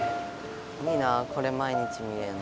いいなこれ毎日見れるの。